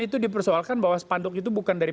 itu dipersoalkan bahwa sepanduk itu bukan dari